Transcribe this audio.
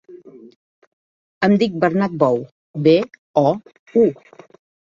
Em dic Bernat Bou: be, o, u.